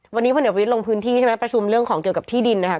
วันนี้พลเอกวิทย์ลงพื้นที่ใช่ไหมประชุมเรื่องของเกี่ยวกับที่ดินนะครับ